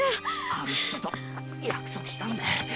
あの人と約束したんだい。